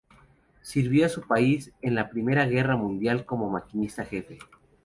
Sirvió a su país en la Primera Guerra Mundial como maquinista jefe.